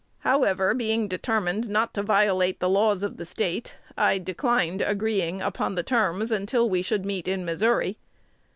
However, being determined not to violate the laws of the State, I declined agreeing upon the terms until we should meet in Missouri.